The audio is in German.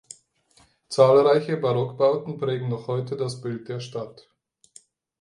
Zahlreiche Barockbauten prägen noch heute das Bild der Stadt.